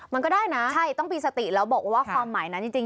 มันก็ได้นะใช่ต้องมีสติแล้วบอกว่าความหมายนั้นจริง